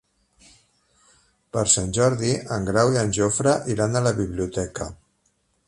Per Sant Jordi en Grau i en Jofre iran a la biblioteca.